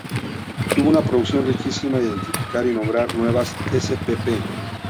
Tuvo una producción riquísima en identificar y nombrar nuevas spp.